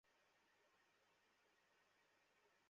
তারপর তিনি খেজুর বাগানে গেলেন।